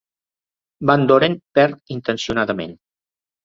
Van Doren perd intencionadament.